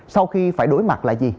sau khi phải đối mặt là gì